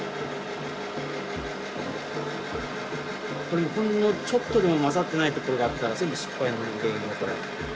これほんのちょっとでも混ざってないところがあったら全部失敗の原因だから。